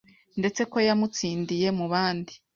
ndetse ko yamutsindiye mubandi